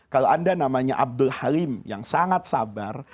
kalau anda namanya abdul halim yang sangat sabar